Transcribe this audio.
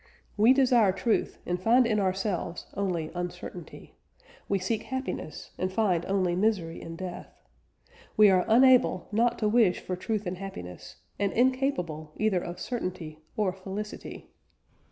"We desire truth, and find in ourselves only uncertainty; we seek happiness, and find only misery and death. We are unable not to wish for truth and happiness, and incapable either of certainty or felicity."